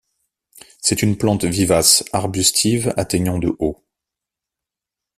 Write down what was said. C'est une plante vivace arbustive atteignant de haut.